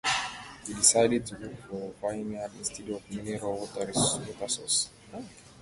He decided to look for vineyards instead of mineral water sources.